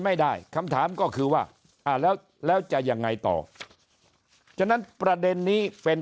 ไม่ได้คำถามก็คือว่าอ่าแล้วแล้วจะยังไงต่อฉะนั้นประเด็นนี้เป็น